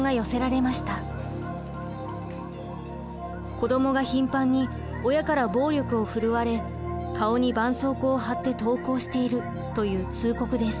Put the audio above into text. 「子どもが頻繁に親から暴力を振るわれ顔にばんそうこうを貼って登校している」という通告です。